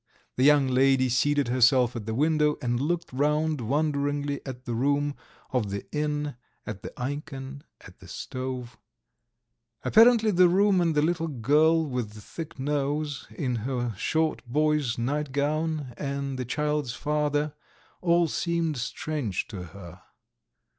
The young lady seated herself at the window, and looked round wonderingly at the room of the inn, at the ikon, at the stove. ... Apparently the room and the little girl with the thick nose, in her short boy's nightgown, and the child's father, all seemed strange to her.